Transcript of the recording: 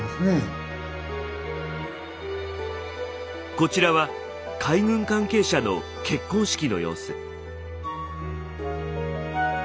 こちらは海軍関係者の結婚式の様子。